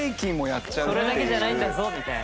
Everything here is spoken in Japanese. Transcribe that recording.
それだけじゃないんだぞみたいな。